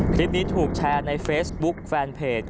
คลิปนี้ถูกแชร์ในเฟซบุ๊คแฟนเพจ